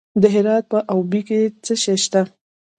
د هرات په اوبې کې څه شی شته؟